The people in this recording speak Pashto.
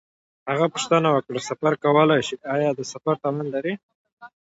هغه پوښتنه وکړه: سفر کولای شې؟ آیا د سفر توان لرې؟